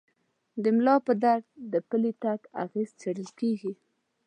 د ملا پر درد د پلي تګ اغېز څېړل کېږي.